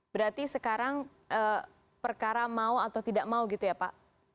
berarti sekarang perkara mau atau tidak mau gitu ya pak